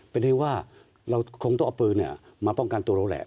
เป็นที่ว่าเราคงต้องเอาปืนมาป้องกันตัวเราแหละ